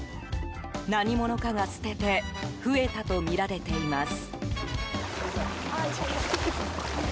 何者かが捨てて増えたとみられています。